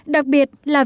đặc biệt là vì